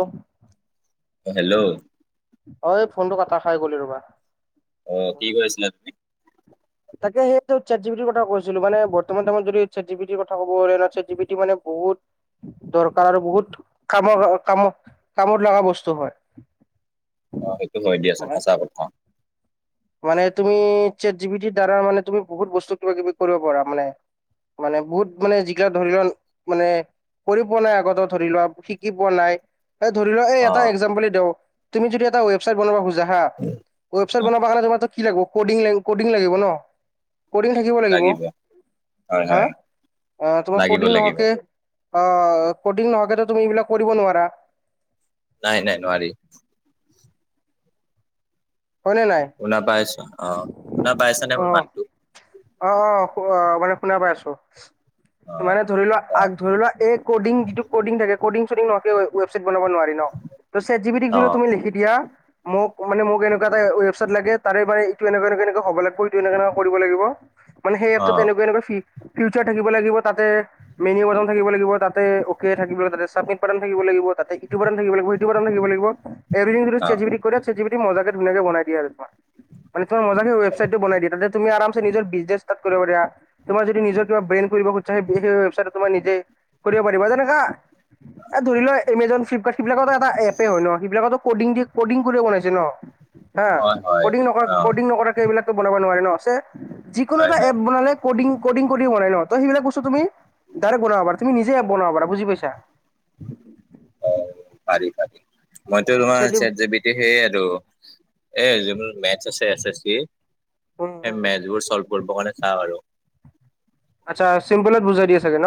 অ, অ', হেল্ল' অ এই ফোনটো কটা খাই গ'লি ৰবা। অ কি কৈ আছিলা তুমি। তাকে সেইটো চেট জি পি টিৰ কথা কৈছিলো মানে বৰ্তমান টাইমত যদি চেট জি বি টিৰ কথা ক'ব গলে আৰ চেট জি পি টি মানে বহুত। দৰকাৰ আৰু বহুত কামৰ কাম কামত লাগা বস্তু হয়। অ সেইটো হয় দিয়াচোন সঁচা কথা মানে তুমি চেট জি পি টিৰ দ্বাৰা মানে তুমি বহুত বস্তু কিবা কিবি কৰিব পাৰা মানে। মানে বহুত মানে যিগিলা ধৰি ল মানে। কৰি পোৱা নাই আগতে ধৰি লোৱা শিকি পোৱা নাই। এই ধৰি ল এই অ এটা একজাম্পলি দেওঁ তুমি যদি এটা ৱেবচাইট বনাব খোজা হা ৱেবচাইট বনাব তোমাৰ তাত কি লাগিব কডিং লাগিব কডিং লাগিব ন। কডিং থাকিব লাগিব হয় হা হয় আ তোমাৰ লাগিব কডিং লাগিব নহোৱাকে অ কডিং নহৱাকে তো তুমি এইবিলাক কৰিব নোৱাৰা। নাই নাই নোৱাৰি। হয়নে নাই। শুনা পাইছো অ শুনা পাইছা নে মোৰ মাত অ' অ, অ, অ মানে শুনা পাই আছো। অ মানে ধৰি লোৱা আগ ধৰি লোৱা এই কডিং যিটো কডিং থাকে কডিং চডিং নহৱাকে ৱেবাইট বনাব নোৱাৰি ন ত চেট জি পি টিত অ যদি তুমি লিখি দিয়া মোক মানে মোক এনকা এটা ৱেবচাইট লাগে তাৰে মানে এটো এনকা এনকা এনকা হব লাগব এটো এনকা এনকা কৰিব লাগিব। মানে সেই অ এপটোত এনেকুৱা এনেকুৱা ফি ফিউচাৰ থাকিব লাগিব তাতে মেনিউ বাটাম থাকিব লাগিব তাতে অকে থাকিব লাগিব তাতে চাবমিট বাটাম থাকিব লাগিব তাতে ইটো বাটাম থাকিব লাগিব সিটো বাটাম থাকিব লাগিব এভৰিথিং যদি চেট অ', জি পি টিক কৈ দিয়া চেট জি পি টিয়ে মজাকে ধুনীয়াক বনাই দিয়ে আৰু তোমাৰ মানে তোমা মজাকে ৱেবছাইটো বনাই দিয়ে তাতে তুমি আৰামছে নিজৰ বিজ নিজে স্টপ কৰিব দিয়া তোমাৰ যদি নিজৰ কিবা ব্ৰেন কৰিব খুজিছা সেই [unintelligible] ৱেবচাইদত তোমাৰ নিজে কৰিব পাৰিবা যেনেকা এ ধৰি লোৱা এমেজন ফ্লিপকাৰ্ট সেইবিলাকতো এটা এপে হয় ন সেইবিলাকতো কডিং দি কডিং কৰি বনাইছে ন। হা হয় হয় কডিং নকৰা অ কডিং নকৰাকে এইবিলাকো বনাব নোৱাৰে ন চে যিকোনো নাই এটা নাই এপ বনালে কডিং কডিং কৰি বনাই ন ত সেইবিলাক বস্তু তুমি ডাইৰেক্ট বনাব পাৰা তুমি নিজে এপ বনাব পাৰা বুজি পাইছা। অ পাৰি পাৰি মই ত অ, তোমাৰ জি চেট জে পি সেই আৰু এ যিবোৰ মেথছ আছে এছ এছ চি। উম সেই উম মেথছ্ বোৰ চৌলভ কৰিবৰ কাৰণে চাওঁ আৰু। আচ্ছা চিম্পলত বুজাই দিয়ে চাগে ন।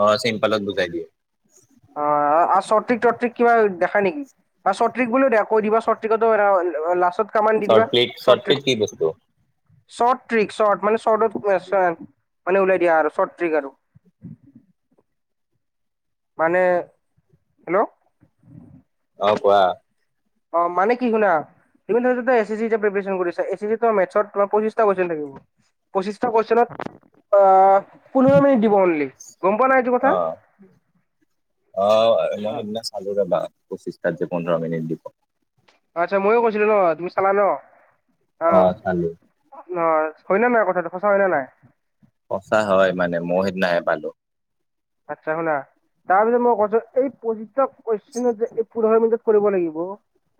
অ চিম্পলত বুজাই দিয়ে। অ আৰু চট্ৰিক তৰ্ট্ৰিক কিবা দেখা নিকি। বা চট ত্ৰিক বুলি দিয় কৈ দিবা চট ত্ৰিকতো এনেকা লাষ্টত। কামান দি চৰ্ট দিবা ক্লিক চৰ্ট ক্লিক ট্ৰিক কি বস্তু শৰ্ট ট্ৰিক শৰ্ট মানে চৰ্টত মানে ওলাই দিয়া আৰু চৰ্ট ট্ৰিক আৰু। মানে হেল্ল'। অ কোৱা। অ মানে কি শুনা। তুমি তোত এচ চি চি এতিয়া প্ৰিপেচন কৰিছা এচ চি চিত মেথছত তোমাৰ পছিশঁটা কুৱেচন থাকিব পঁচিশটা কুৱেশনত আহ পোন্ধৰ মিনিট দিব অনলি গম পোৱা নে তু অ অ মই সেইদিনা চা চালোগে ন পঁচিছটা যে পোন্ধৰ মিনিট দিব আচ্ছা ময়ো কৈছিলো ন তুমি চালা ন অ। অ হয় নে নাই কথাটো সঁচা হয় নে নাই। সঁচা হয় মানে মই সেইদিনাাহে পালো। আচ্ছা শুনা। তাৰ পিছত মই কৈছো এই পচি [unintelligible] ক এই পোন্ধৰ মিনিটত কৰিব লাগিব।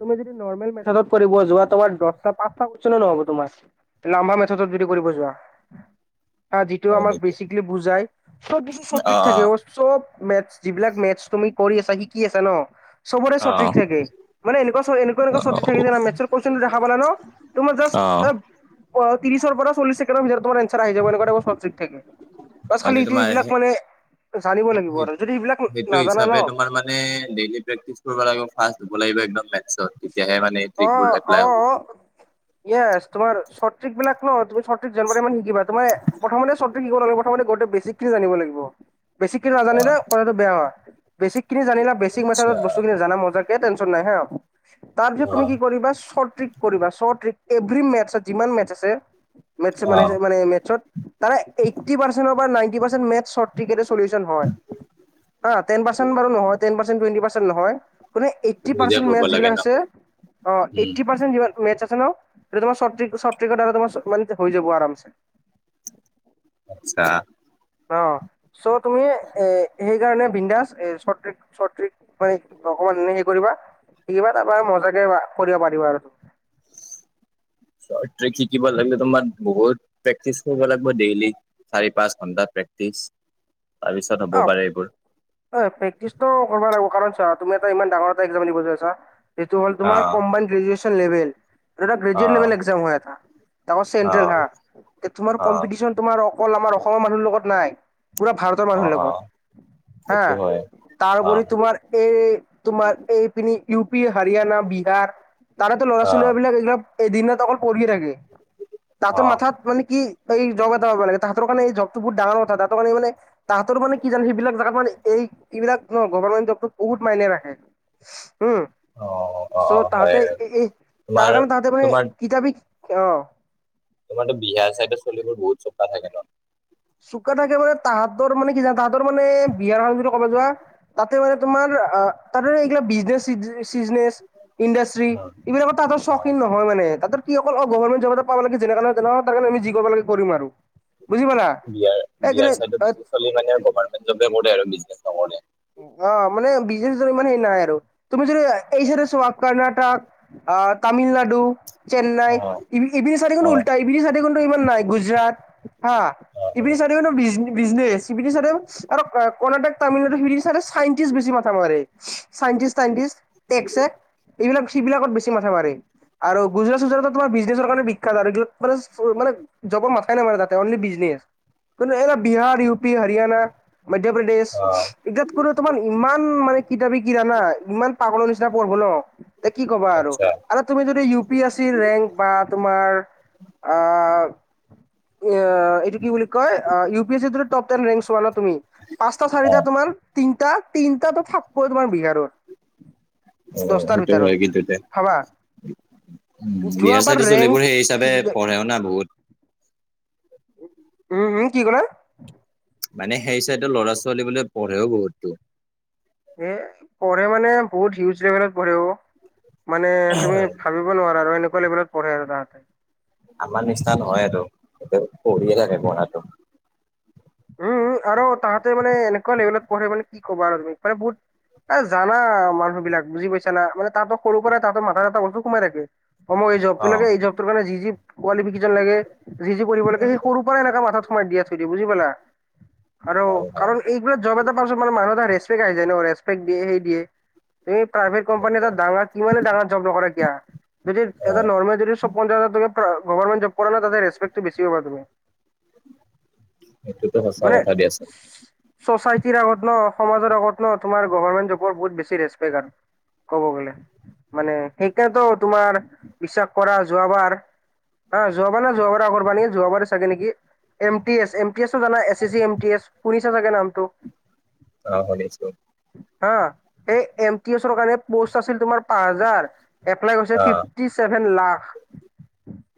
তুমি যদি নৰ্মেল মেথডত কৰিব যোৱা তোমাৰ দহটা পাঁচটা কইছন নহ'ব তোমাৰ। লম্বা মেথত যদি কৰিব যোৱাা। হা যিটোও হয় আমাক নেকি বেচিকেলি বুজাই চবছু সঠিক [unintelligible] থাকে অ। চব মেথ যিবিলাক মেথছ তুমি কৰি আছা শিকি আছা ন। চবৰে চৰট ট্ৰিক অ' থাকে মানে এনেুৱকুৱা- এনেুৱকুৱা চৰট ট্ৰিক থাকে যে মে মেথচ কইচন টো দেখা পালা ন। তোমাৰ জাষ্ট অ' ত্ৰিশৰ পৰা চল্লিশ ছেকেডৰ ভিতৰত তোমাৰ আহি যাব এনেকোৱা চৰট ট্ৰিক থাকে বাছ মানে খালি ই তোমাৰ এইবিলাক সেই মানে জানিব লাগিব সেই- আৰু যদি এইবিলাক সেইটো নাজানা ন [unintelligible] তেতিয়াহে মানে ট্ৰিকবোৰ এপ্লাই হ'ব। ইয়াস তোমাৰ চৰট ট্ৰিক বিলাক ন তুমি চৰট ট্ৰিক জানুৱাৰী মান শিকিবা তোমাৰ প্ৰথমতে চৰট ট্ৰিক টো শিক নালগে প্ৰথম গোটে বেছিক খিনি জানিব লাগিব। বেছিকখিনি অ' নাজানিলে কথাটো বেয়া হ হয়, বেছিখিনি জানিলে। বেচিক আচ্ছা মেঠদত বস্তু বিলাক জানা মজাকে টেনচন নাই হা৷ তাৰ পাছত তুমি অ' চৰট ট্ৰিক কৰিবা চৰট ট্ৰিক এভৰি মেথচত যিমান মেথচ আছে৷ মেথচ অ' মানে মেথচত তাৰে এইটি পাৰ্চেন্ট পৰা নাইটি পাৰ্চেন্ট মেথচ চৰট টিকেটৰ [unintelligible] চলিউচন হয় তেন পাৰ্চেন বাৰু নহয় তেন পাৰ্চেন টুৱেন্টি পাৰ্ছেন নহয়। মানে এইটি নিজে পাৰ্চেন্ট মে কৰিব লাগে যিবিলাক ন আছে, অ উম। এইটি পাৰ্চেন্ট মেথচ আছে ন তোমাৰ চৰট ট্ৰি চৰট ট্ৰিকত ৰ মানে হৈ যাব আৰামচে৷ [inaudible] আচ্ছা অ চ' তুমি এ সেইকাৰণে বিন্ন্দাস এ চচ্ৰিক- চট্ৰিক মানে অকমান এ হে কৰিবা। এইবাৰ তাৰপৰা মজাকে কৰিব পাৰিবা আৰু৷ চৰট ট্ৰিক শিকিব লাগিলে তোমাৰ বহুত প্ৰেক্টিচ কৰিব লাগিব ডেইলি৷ চাৰি পাঁচ ঘন্টাাত প্ৰেক্টিচ, তাৰপিছত হ'ব পাৰে এইবোৰ। প্ৰেকটিছটো কৰিব লাগিব কাৰণ চ তুমি এটা ইমান ডাঙৰ এটা এক্সাম দিব যায় আছা। এইটো হল তোমাৰ অ', combine graduation level. Graduate level অ', এক্সাম হয় এটা চেন্ট্ৰেল অ', তোমাৰ অ', কম্পিটিচন৷ তোমাৰ অকল আমাৰ অসমৰ মানুহ লগত নাই, পুৰা ভাৰতৰ মানুহৰ অ', লগত। অ', হা সেইটো হয়। তাৰপৰি অ', তোমাৰ এই তোমাৰ এই পিনি ইউ পি হাৰিয়ানা বিহাৰ তাৰোতো ল'ৰা অ', ছোৱালী বিলাক এইবিলাক এদিন ন অকল পঢিয়ে থাকে তাতৰ অ', অ', মাথাত মানে কি বাকি এই জব এটা ওলালে তাঁহাতৰ কাৰণে এই জবটো বহুত ডাঙৰ কথা তাহাতৰ কাৰণে মানে তাহাঁতৰ মানে কি জান সেইবিলাক জাগাত মানে এইবিলাক ন গভমেণ্ট জবো বহুত মাইনে ৰাখে৷ উম৷ অ অ চ' হয় তাহতে এই তোমাৰ তাৰ কাৰণে তাহতে মানে তোমাৰ কিতাপি অ ত মানে বিহাৰ চাইডত চলিবোৰ বহুত চোকা থাকে ন৷ চোকা থাকে মানে তাহাঁতৰ মানে কি জানা তাহাঁতৰ মানে বিয়াৰ খ বুলি ক'বা যোৱা তাতে মানে তোমাৰ তাৰে এইগিলা বিজনেচ চ চিজনেচ ইণ্ডষ্ট্ৰি এইবিলাক তাহাতৰ অ', চখ৷ নহয় মানে তাতে কি অকল অ গভমেণ্ট জব এটা পাব লাগে যেনেকাই নহয় তাৰ কাৰণে আমি যি কৰিব লাগে কৰিম আৰু৷ বুজি পালা৷ বিহাৰ বিহাৰ এই চাইত চলি মানে গভমেণ্ট জবে কৰে আৰু বিজনেছ নকৰে৷ অ মানে বিজনেছ ইমান হে নাই আৰু৷ তুমি যদি এই চাইডে চোৱা কৰ্ণাটক আহ তামিলনাড চেন্নাই অ', হিপিন চাইদে খনো অ', উল্টা হিপিন চাতি খনটো ইমান নাই গুজৰাট হা অ', ইিপিন চাৰিব ন [unintelligible] বিজনেছ ইপিন [unintelligible] চাৰ আৰু কৰ্ণাটক, তামিলনাডু চাইনটিছ বেছি মাথা মাৰে, চাইনটিছ তাইনটিছ, একছে, এইবিলাক সেইবিলাকত বেছি মাথা মাৰে, আৰু গুজৰাট চুজৰাতত তোমাৰ বিজনেছ কাৰণে বিখ্যাত আৰু [unintelligible] এবিলাক মানে, মানে জবৰ মাথাই নামাৰে তাতে অনলি বিজনেছ, কিন্তু এই বিহাৰ ই [unintelligible] হৰিয়াণা, মধ্য প্ৰদেশ অ', তাত কতো তোমাৰ ইমান মানে কিতাপি কৰা না, ইমান পাগলৰ নিচিনা পঢ়ব ন কি ক'বা আৰু, আচ্ছা আৰু তুমি যদি ইউ পি এছ চিৰ ৰেংক, বা তোমাৰ আ [unintelligible] অ এইটো কি বুলি কয়, U P S C top ten rank ওৱানত তুমি, পাঁচটা চাৰিটা অ', তোমাৰ, তিনটা, তিনটা থাকিব তোমাৰ বিহাৰৰ অ', দছটাৰ সেইটো ভিতৰত, হয় কিন্তু দে। ভাবা। উম, বিহাৰ যোৱাবাৰ চাইডৰ ছোৱালীবোৰ ৰেংক সেই হিচাপে [unintelligible] পঢ়েও না বহুত। উম-উম কি ক'লা? মানে সেই চাইডৰ ল'ৰা ছোৱালী বোলে পঢ়েও বহুতো। এ পঢ়ে মানে বহুত হিউজ লেভেলত পঢ়ে অ, মানে তুমি ভাবি নোৱাৰা আৰু এনেকুৱা লেভেলত পঢ়ে আৰু তাহাতে। আমাৰ নিচিনা নহয় আৰু, এইটো পঢ়িয়ে থাকে পঢ়াতটো। উম-উম, আৰু তাহাঁতে মানে এনেকুৱা লেভেলত পঢ়ে মানে, কি ক'ব আৰু তুমি, মানে বহুত এ জানা মানুহ বিলাক, বুজি পাইছা না, মানে তাৰ পৰা সৰুৰ পৰাই তাততে মাঠাত এটা লটো সোমাই থাকে। অ ম' এই অ জবটো লাগে, এই জবৰ কাৰণ যি-যি কিফিকেশন লাগে, যি-যি কৰিব লাগে, সেই সৰু [unintelligible] এনেকা মাথাত সমাই থই দিয়ে, বুজি পালা। আৰু হয় হয় কাৰণ এইবিলাক জব এটা পাইছো মানে মানুহ এটা ৰেছপেক আহি য়ায ন, ৰেছপেক দিয়ে, সেই দিয়ে তুমি প্ৰাইভেট কোম্পানী এটা ডাঙৰ, কিমানে ডাঙৰ জব নকৰা কিয়া যদি অ এ নৰ্মেল যদি চব পঞ্চায়ত তু, ‌গভমেট জব কৰে ন তাতে ৰেছপেকটো বেছি পাবা তুমি। সেইটোতো সঁচা মানে কথা দিয়াচোন চ'চাইটিৰ আগত ন, সমাজৰ আগত ন, তোমাৰ গভৰ্মেণ্ট জবৰ বহুত বেছি ৰেপেক্ট আৰু কব গ'লে। মানে, সেইকাৰণেতো তোমাৰ বিশ্বাস কৰা যোৱাবাৰ হা যোৱাবাৰ না যোৱাবাৰা পানি যোৱাবাৰে চাগে নেকি, M P S [unintelligible] এ-ছি-এ C M-T-S, সুনিছা চাগে নামটো? অ শুনিছো। হা, এই এম-টি-এছৰ কাৰণে পোষ্ট আছিল তোমাৰ পাঁচ হাজাৰ এপ্লাই কৰিছে অ ফিফটি চেভেন লাখ।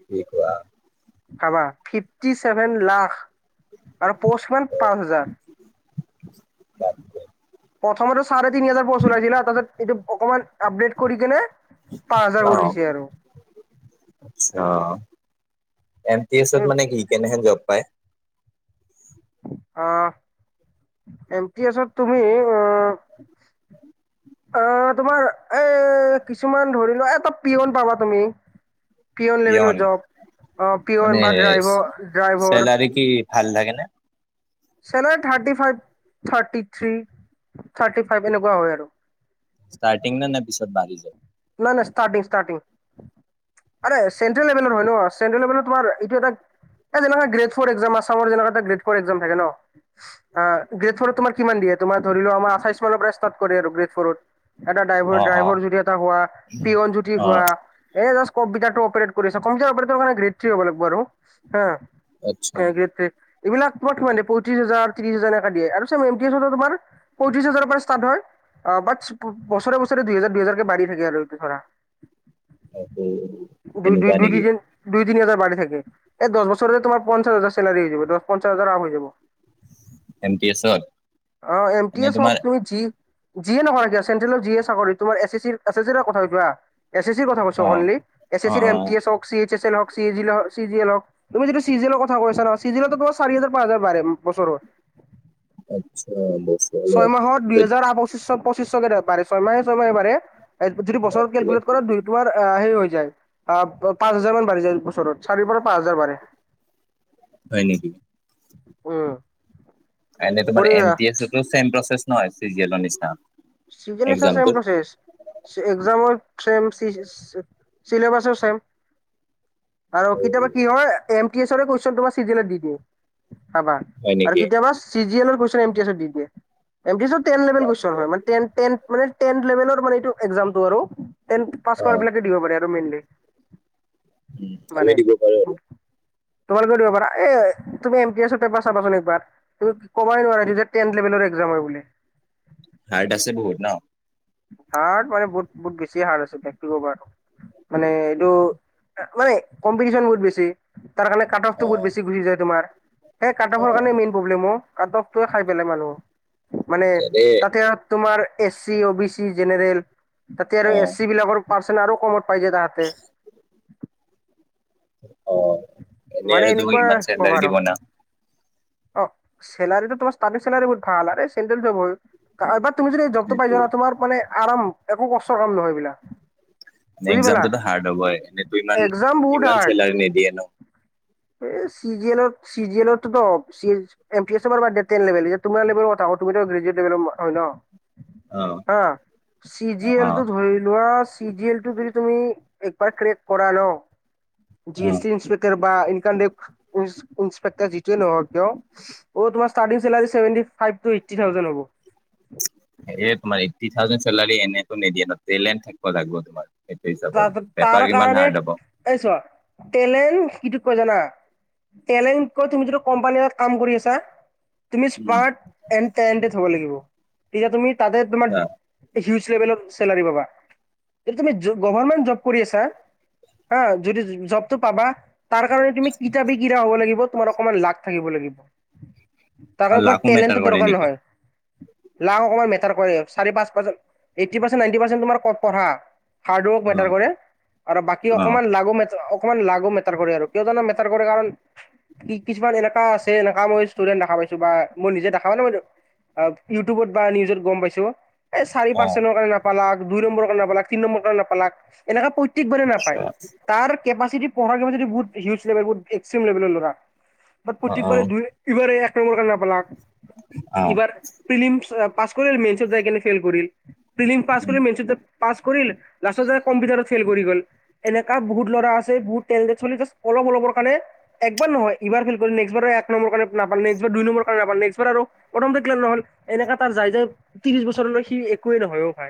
কি কোৱা? খাবা ফিপ ফিফটি ছেভেন লাখ, আৰু পৌচ মেন পাঁচ হাজাৰ। প্ৰথমতো চাৰে তিনি হাজাৰ পস্তু উলাইছিল হা, তাৰিছত এইটো অকণমান আপডেট কৰি কেনে, পাঁচ হাজাৰ কৰিছে আৰু। আছা, এম-পি-এছত মানে কি কেনেহেনে জব পাই? অ, এম-পি-এছত তুমি, উম [inaudible] অ' তোমাৰ এ কিছুমান ধৰি লোৱা, এটা পিয়ন পাবা তুমি। পিয়ন লেভেলৰ জব, অ মানে পিয়ন বা ড্ৰাইভ, ড্ৰাইভৰ। চেলাৰী কি ভাল লাগে নে? চেল thirty five, thirty three, thirty five, এনেকুৱা হয় আৰু। ইষ্টাৰ্থিগ নে, নে পিছত বাঢ়ি যায়? নাই নাই, ষ্টাৰ্টিং ষ্টাৰ্টিং। আৰে চেন্ট্ৰেল লেভেলৰ হয় ন, চেন্ট্ৰেল লেভেলত তোমাৰ, এইটো এটা এ যেনেুৱা গ্ৰেত ফ্ৰত এক্সাম, আচামৰ যেনেকোৱা এটা গ্ৰেট ফৰ এক্সাম থাকে ন। গ্ৰেট ফ'ৰত তোমাৰ কিমান দিয়ে, তোমাৰ ধৰি লোৱা, আমৰ আঠছ মানৰ পৰা ষ্টাৰ্ট কৰে আৰু গ্ৰেত ফ্ৰৰত। এটা ড্ৰাইভ অ অ ড্ৰাইভৰ যদি এটা হোৱা, পিয়নজ্যোতি অ হোৱা এ জাষ্ট কম্পিটাৰটো অপাৰেট কৰি কম্পিটাৰ অপাৰেটৰ কাৰণে গ্ৰেড থ্ৰী হব লাগিব আৰু হা আচ্ছা এ গ্ৰেট পেট এইবিলাক তোমাৰ মানে পয়ত্ৰীশ হাজাৰ ত্ৰিছ হাজাৰ হেনকা দিয়ে আৰু চ তোমাৰ- পয়ত্ৰিশ হাজাৰৰ পৰা ষ্টাৰ্ট হয়, বাত বছৰে বছৰে দুহেজাৰ দুহেজাৰ- বাঢ়ি থাকে আৰু ধৰা, দুই দুই এনেকুৱা দুই নেকি দুদিন- দুই তি হাজাৰ বাঢ়ি থাকে, এই দশ বছৰ তোমাৰ পঞ্চাছ হাজাৰ চেলাৰি হৈ যাব দশ পঞ্চাছ হাজাৰ আৰম হৈ যাব। এ ন কে এছত। অ, এম টি এনে এ চপ তোমাৰ তুমি যি- যিয়ে নয়ইগে চেন্ট্ৰেলৰ যিয়ে চাকৰি তোমাৰ এ চে চিৰ কথা কোৱা- এছ চিৰ কথা কৈছো অ অনলি, এছ অ ৰ এ অ পি এছ হি এই এছ এল হি জি এ হওক। তুমি যিটো চিজেলনৰ কথা কৈছা ন, ছিজেলত তোমাৰি চাৰি হাজাৰ পাঁচ হাজাৰ বাঢ়ে বছৰত। আচ্ছা বছ। ছয় মাহত দুহেজাৰ পঁচিছশ পঁচিছশকে বাৰে ছয় মাহে ছয় মাহে বাঢ়ে। যদি বছৰতৰত কেলকুলট কৰা দুইটোৱাৰ আহ হেৰি হৈ যায় আহঁ। পাঁচ হাজাৰ মান বাঢ়ি যায় বছৰত চাৰিৰ পৰা পাঁচ হাজাৰ বাঢ়ে। হয় নেকি উম এনে তোমাৰ কৰি এন তি এছটো ছেম পচেশ নহয় চিৰিয়েলৰ নিচিনা। চিজনেচৰ ছেম এক্সামটোত? প্ৰচেছ। এক্সামৰম ছেম চিছ চিলেবাছৰ চেম। আৰু কেতিয়াবা কি হয় এম পি এ চৰে তোমাৰ চিজেলত দি দিয়ে, চাবা হয় আৰু নেকি? কেতিয়াবা- চিজিয়েলৰ কোৱেচন এম টি এছত দি দিয়ে, এম পি এছত তেন লেভেল কুৱেচন হয় মানে- টেন টেন মানে টেন লেভেলৰ মানে এইটো এক্সমটো আৰু। তেন পাছ কৰা অ', বিলাকে দিব পাৰে আৰু মেইনলি। উম, আমি মানে দিব পাৰো আৰু। তোমাৰ দিব পাৰা এ তুমি এম পি এছত চাবা চোন একবাৰ। তুমি কোবাই নোৱাৰা টেন লেভেলৰ এক্সাম হয় বুলি। হাৰ্ড আছে বহুত ন। হাৰ্ড মানে বহুত বহুত বেছি হাৰ্ড আছে, কেটিকোভাৰটো। মানে এইটো মানে কম্পিটিচন বহুত বেছি। তাৰ কাৰণে কাতফটো বহুত অ', বেছি গুচি যায় তোমাৰ। সেই কাতফৰ অ'। কাৰণে মেইন প্ৰব্লেম অ, কাটফটোৱে খাই পেলাই মানুহক মানে এনে তাতে- তোমাৰ এ চি অ বি চি জেনেৰেল তাতে আৰু এছ অ', চি বিলাকৰ পাৰ্চন আৰু ক- পাই যে তাহাঁতে অ, এনে মানে এনেকুৱা ইমান কম চেণ্টাৰ আৰু নিদিব না। অ, চেলাৰিটো তোমাৰ ষ্টাৰট চেলাৰিতু বহুত ভাল চেণ্ট্ৰেল জব হয়। এইবাৰ তুমি যদি জবটো পাই যোৱা সেইটোৱে। না, তোমাৰ মানে আৰাম একো কষ্টৰ কাম নহয় এবিলাক। এক্সামটোত হাৰ্ড হ'ব এনেইতো ইমান এক্সাম বহুত ইমান হাৰ্ড চেলাৰী নিদিয়ে ন। এই চিজি এলৰ চিজলতো দক। চি এম পি এছৰ বাৰু বাদ দে তেন লেবেল এ তোমাৰ লেবেল কথা ক, তুমিটো গ্ৰেজোৱেত লেভেলৰ হয় ন। অ', হা, চি জি এল অ', টো ধৰি লোৱা- চি জি এল টো তুমি একবাৰ ট্ৰেক কৰা ন, জি এছ টি- বা ইনে ইন্সপেক্টাৰ যিটোৱে নহওক। কিয় তোমাৰ ষ্টাৰ্টিং চেলাৰী চেভেন্তি ফাইভ টো এইটি থাউজেণ্ড হব। এ তোমাৰ এইটি থাউজেন্ড চেলাৰী এনেইটো নিদিয়ে ন টেলেণ্ট থাকিব লাগিব তোমাৰ। সেইটো হিচাপ তাৰ তাৰ পেপাৰ কিমান কাৰণে হাৰ্ড হ'ব। এই চোৱা টেলেণ্ট কিটো কয় জানা। টেলেণ্ট কয় তুমি যিটো কোম্পানীত এটাত কাম কৰি আছা। তুমি উম, স্মাৰ্ট এন্ড তেলেন্তেতেদ হ'ব লাগিব, তেতিয়া তুমি তাতে আচ্ছা তোমাৰ- উজ লেভেলৰ চেলাৰী পাবা তুমি গভাৰমেন্ট জব কৰি আছা। হা, যদি জবটো পাবা। তাৰ কাৰণে তুমি কিতাপি কৰা হব, লাগিব তোমাৰ অকমান লাক থাকিব লাগিব। উ তাৰ কাৰণে তোমাৰ টেলণ্টতো দৰকাৰ নহয় লাক অকমান মেটাৰ কৰে চাৰে পাঁচ percent eighty percent ninety percent তোমাৰ অকল পঢ়া হাৰ্ড ৱৰ্ক মেটাৰ অ', কৰে আৰু বাকী অ'। অকমান লাগু মেটাৰ অ অকমান লাগু মেটাৰ কৰে আৰু কিয় জানা মেটাৰ কৰে কাৰণ কি কিছুমান এনেকা আছে এনেকা মই ষ্টুডেণ্ট দেখা পাইছো বা মই নিজে দেখা বুলিয়ে কৈছো অ ইউটিউবত বা নিউজত গম পাইছো এই চাৰি অ পাৰ্চেণ্টৰ কাৰণে নাপালাক দুই নম্বৰ কাৰণে নাপালাক তিন নম্বৰ কাৰণে নাপালাক এনেকা প ত্যেক বাৰে নাপায় আচ্ছা তাৰ কেপাচিটি পঢ়াক লৈ যদি বহুত হিউজ লেভেলৰ বহুত এক্সিম লেভেলৰ ল'ৰা বাত অ প্ৰত্যেক অ বাৰে দুই ইবাৰ এই এক নম্বৰ কাৰণে নাপালাক অ ইবাৰ প্ৰিলিমছ পাছ কৰিল মেইনচত যায় কিনে ফেইল কৰিল প্ৰিলিম পাছ উম কৰিল মেইনচত গৈ পাছ কৰিল লাষ্টত যাতে কম্পিউটাৰত ফেইল কৰি গ'ল এনেকা বহুত ল'ৰা আছে বহুত টেলেণ্ট চেলেণ্ট জাষ্ট অলপ অলপৰ কাৰণে একবাৰ নহয় এইবাৰ ফেইল কৰিলে নেক্সটবাৰো এক নম্বৰ কাৰে নাপালে নেক্সটবাৰ দুইম্বৰ কাৰণ নাপালে নেক্সটবাৰ আৰু অটমেট ক্লিয়াৰ নহল এনেকা তাৰ যাৰ যাৰ ত্ৰিশ বছৰলৈ সি একোৱে নহয় অ ভাই